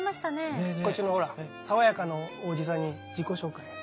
こっちのほら爽やかなおじさんに自己紹介。